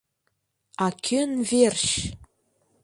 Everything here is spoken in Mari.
А кӧн верч!